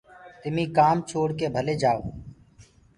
تمي ڪآم ڇوڙ ڪي ڀلي جآئو۔